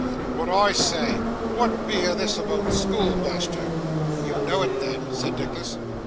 But I say; wa'at be a' this aboot schoolmeasther?' 'You know it then?' said Nicholas.